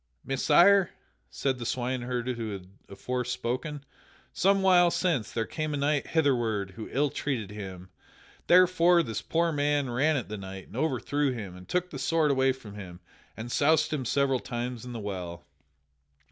"Messire," said the swineherd who had afore spoken, "some while since there came a knight hitherward who ill treated him. Thereupon this poor man ran at the knight and overthrew him and took the sword away from him and soused him several times in the well.